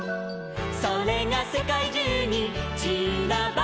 「それがせかいじゅうにちらばって」